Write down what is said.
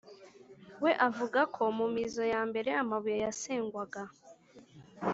we avuga ko mu mizo ya mbere amabuye yasengwaga